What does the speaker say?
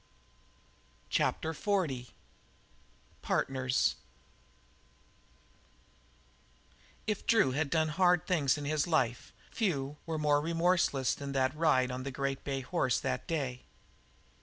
CHAPTER XL PARTNERS If Drew had done hard things in his life, few were more remorseless than the ride on the great bay horse that day.